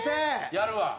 やるわ。